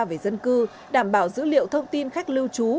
về dân cư đảm bảo dữ liệu thông tin khách lưu trú